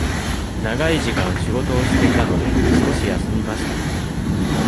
長い時間仕事をしていたので、少し休みました。